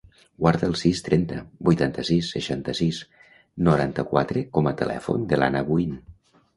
Guarda el sis, trenta, vuitanta-sis, seixanta-sis, noranta-quatre com a telèfon de l'Anna Abuin.